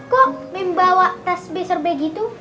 kok membawa tes beser begitu